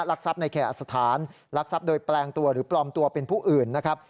ทรัพย์ในแข่อสถานลักทรัพย์โดยแปลงตัวหรือปลอมตัวเป็นผู้อื่นนะครับ